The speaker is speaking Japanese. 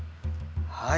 はい。